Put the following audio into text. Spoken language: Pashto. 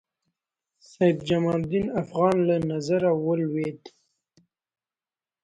سید جمال الدین افغاني له نظره ولوېد.